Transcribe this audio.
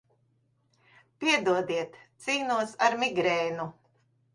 Piedodiet, cīnos ar migrēnu.